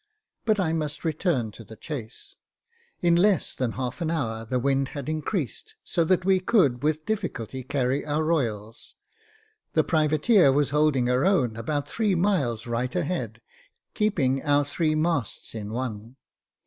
But I must return to the chase. In less than an hour the wind had increased, so that we could with difficulty carry our royals ; the privateer was holding her own about three miles right a head, keeping our three masts in one.